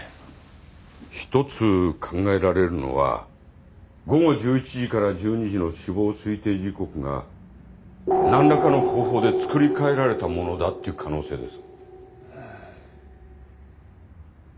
一つ考えられるのは午後１１時から１２時の死亡推定時刻が何らかの方法でつくり変えられたものだっていう可能性です。